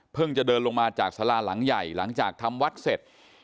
จะเดินลงมาจากสาราหลังใหญ่หลังจากทำวัดเสร็จ